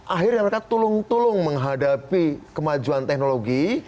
akhirnya mereka tulung tulung menghadapi kemajuan teknologi